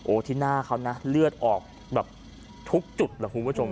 ที่หน้าเขานะเลือดออกแบบทุกจุดแหละคุณผู้ชม